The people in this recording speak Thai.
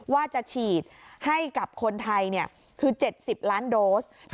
ว่าจะฉีดให้กับคนไทยคือ๗๐ล้านโดส